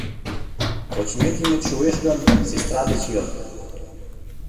Кочмет-йӱмет шуэш гын, сестра деч йод.